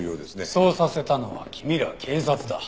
そうさせたのは君ら警察だ。